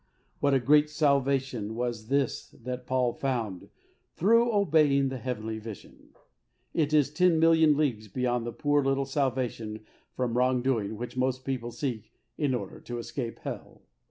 What a great salvation was this that Paul found through obeying the heavenly vision ! It is ten million leagues beyond the poor little salvation from wrong doing which most people seek in order to escape hell.